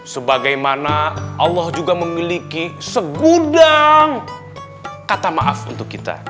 sebagaimana allah juga memiliki segudang kata maaf untuk kita